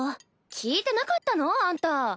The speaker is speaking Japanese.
聞いてなかったの？あんた。